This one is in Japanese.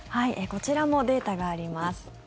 こちらもデータがあります。